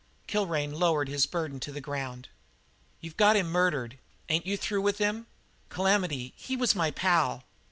Kilrain lowered his burden to the ground. "You've got him murdered. Ain't you through with him? Calamity, he was my pal!"